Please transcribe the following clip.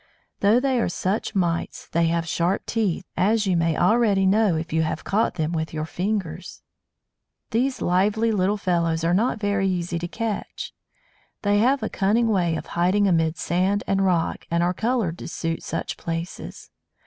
Though they are such mites, they have sharp teeth, as you may already know if you have caught them with your fingers! These lively little fellows are not very easy to catch! They have a cunning way of hiding amid sand and rock, and are coloured to suit such places.